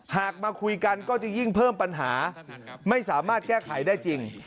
มาคุยกันก็จะยิ่งเพิ่มปัญหาไม่สามารถแก้ไขได้จริง